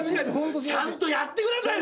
ちゃんとやってください先生。